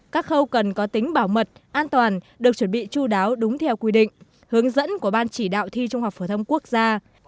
các khâu cần có tính bảo mật an toàn được chuẩn bị chú đáo đúng theo quy định hướng dẫn của ban chỉ đạo thi trung học phổ thông quốc gia